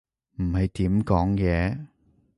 唔係點講嘢